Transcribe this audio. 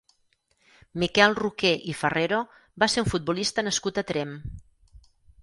Miquel Roqué i Farrero va ser un futbolista nascut a Tremp.